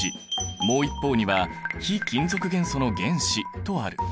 もう一方には非金属元素の原子とある。